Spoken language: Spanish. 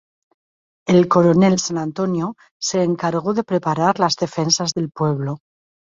El Coronel San Antonio se encargó de preparar las defensas del pueblo.